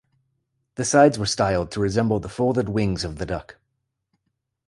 The sides were styled to resemble the folded wings of the duck.